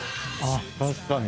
確かに。